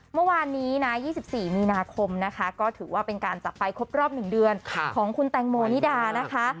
เมื่อวานนี้นะ๒๔มีนาคมนะคะก็ถือว่าเป็นการจักรไปครบรอบ๑เดือนของคุณแตงโมนิดานะคะ